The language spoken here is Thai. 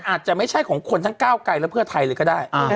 อาจจะไม่ใช่ของคนทั้งก้าวไกลและเพื่อไทยเลยก็ได้